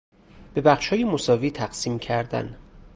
به بخشهای مساوی تقسیم کردن